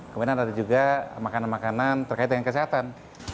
kemudian ada juga makanan makanan terkait dengan kesehatan